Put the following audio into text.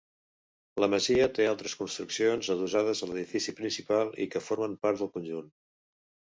La masia té altres construccions adossades a l'edifici principal i que formen part del conjunt.